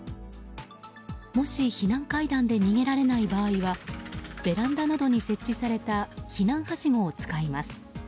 もし避難階段で逃げられない場合はベランダなどに設置された避難はしごを使います。